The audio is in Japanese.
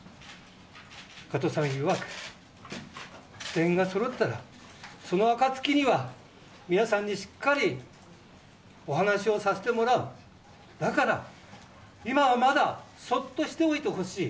加藤さんいわく、全員がそろったらその暁には皆さんにしっかりお話をさせてもらう、だから今はまだそっとしておいてほしい、